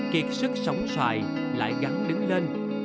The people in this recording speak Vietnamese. kiệt sức sống xoài lại gắn đứng lên